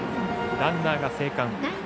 ランナーが生還。